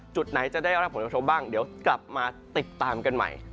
จุดไหนจะได้รับผลกระทบบ้างเดี๋ยวกลับมาติดตามกันใหม่